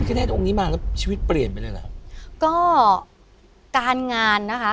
แต่พระพิฆาเนตองค์นี้มาแล้วชีวิตเปลี่ยนไปเลยหรอก็การงานนะคะ